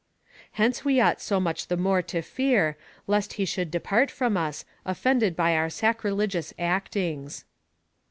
Hence we ought so much the more to fear, lest he should depart from us, offended by our sacrilegious actings.